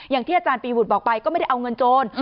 อย่างที่อาจารย์ปีบุตรบอกไปก็ไม่ได้เอาเงินโจร